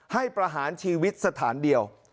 ประหารชีวิตสถานเดียว